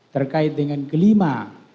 terkait dengan kelima